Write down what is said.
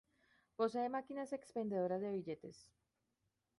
Posee máquinas expendedoras de billetes.